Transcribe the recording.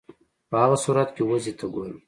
په هغه صورت کې وضع ته ګورم.